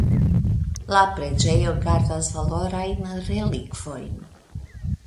La preĝejo gardas valorajn relikvojn.